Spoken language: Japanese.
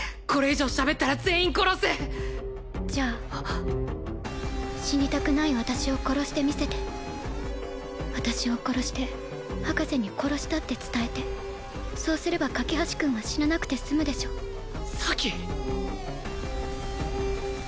これ以上しゃべったら全員殺すじゃあ死にたくない私を殺してみせて私を殺して博士に殺したって伝えてそうすれば架橋君は死ななくて済むでしょ咲！